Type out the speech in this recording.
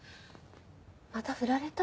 またフラれた？